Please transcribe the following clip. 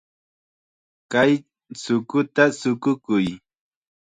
Kay chukuta chukukuy.